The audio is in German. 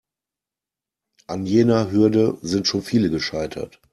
An jener Hürde sind schon viele gescheitert.